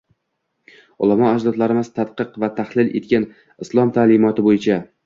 Ulamo ajdodlarimiz tadqiq va tahlil etgan Islom ta’limoti bo‘yicha